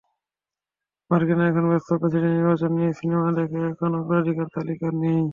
মার্কিনরা এখন ব্যস্ত প্রেসিডেন্ট নির্বাচন নিয়ে, সিনেমা দেখা এখন অগ্রাধিকারের তালিকায় নেই।